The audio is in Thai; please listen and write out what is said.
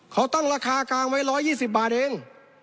เขาตั้งราคากลางไว้๑๒๐บาทเอง